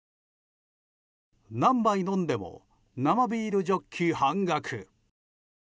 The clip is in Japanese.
何杯飲んでも生ビールジョッキ半額。